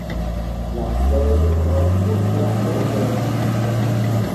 Las flores de color púrpura o violeta.